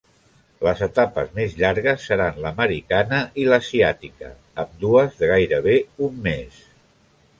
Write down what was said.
Les etapes més llargues seran l'americana i l'asiàtica, ambdues de gairebé un mes.